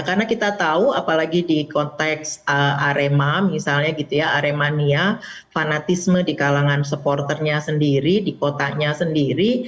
karena kita tahu apalagi di konteks arema misalnya gitu ya aremania fanatisme di kalangan supporternya sendiri di kotanya sendiri